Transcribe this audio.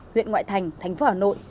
huyện ngoại thành thành phố hà nội